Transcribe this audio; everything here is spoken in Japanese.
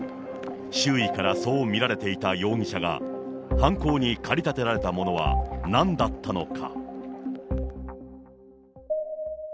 周囲からそう見られていた容疑者が、犯行に駆り立てされたものはなんだったのか。